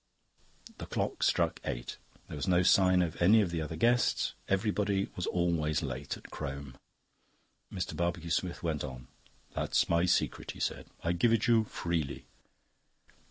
The clock struck eight. There was no sign of any of the other guests; everybody was always late at Crome. Mr. Barbecue Smith went on. "That's my secret," he said. "I give it you freely."